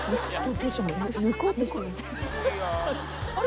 あれ？